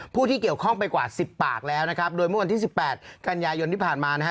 ผู้ที่เกี่ยวข้องไปกว่าสิบปากแล้วนะครับโดยเมื่อวันที่สิบแปดกันยายนที่ผ่านมานะฮะ